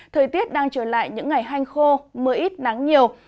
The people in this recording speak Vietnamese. thời tiết đang trở lại những ngày hanh khô mưa ít nắng nhiều